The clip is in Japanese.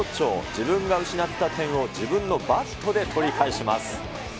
自分が失った点を自分のバットで取り返します。